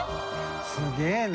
すげぇな。